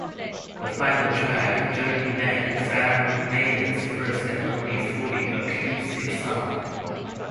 The final track, "Journeyman", is Iron Maiden's first and only fully acoustic song.